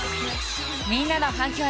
みんなの反響